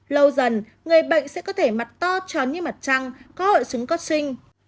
lâu dần người bệnh sẽ có thể mặt to tròn như mặt trăng có hội sứng cốt sinh